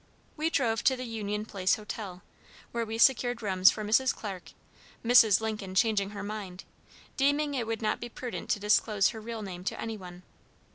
We drove to the Union Place Hotel, where we secured rooms for Mrs. Clarke, Mrs. Lincoln changing her mind, deeming it would not be prudent to disclose her real name to any one.